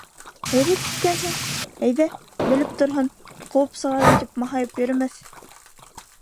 - Һәйбәт иткәнһең, әйҙә, белеп торһон, ҡыуып сығарҙым, тип маһайып йөрөмәҫ.